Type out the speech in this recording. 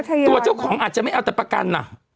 ตัวเจ้าของอาจจะไม่เอาแต่ประกันอ่ะ